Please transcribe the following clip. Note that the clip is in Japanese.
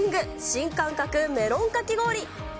新感覚メロンかき氷。